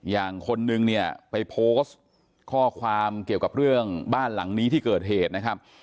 คนนึงเนี่ยไปโพสต์ข้อความเกี่ยวกับเรื่องบ้านหลังนี้ที่เกิดเหตุนะครับ